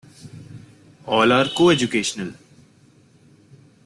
All are co-educational.